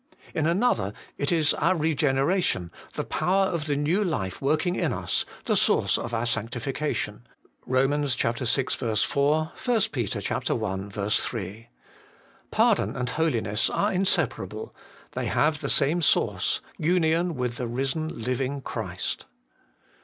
In another it is our regeneration, the power of the new life working in us, the source of our sanctification. (Rom. vi. 4; 1 Pet. i. 3.) Pardon and holiness are inseparable ; they have the same source, union with the Risen Living Christ.